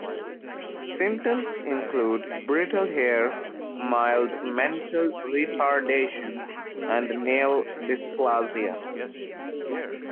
Symptoms include brittle hair, mild mental retardation and nail dysplasia.